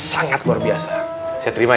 sangat luar biasa saya terima